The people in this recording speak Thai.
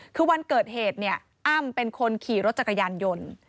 คือวันเกิดเหตุเนี่ยอ้ำเป็นคนขี่รถจักรยานยนต์